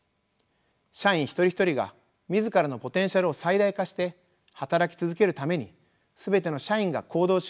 社員一人一人が自らのポテンシャルを最大化して働き続けるために全ての社員が行動しやすいリスキリングプログラム